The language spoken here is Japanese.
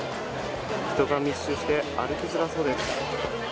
人が密集して、歩きづらそうです。